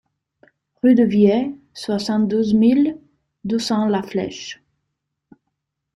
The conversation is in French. Rue de Viez, soixante-douze mille deux cents La Flèche